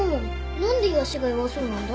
何でイワシが弱そうなんだ？